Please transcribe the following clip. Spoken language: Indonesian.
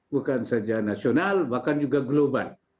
bukan saja nasional bahkan juga global